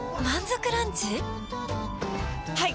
はい！